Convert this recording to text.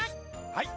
はい！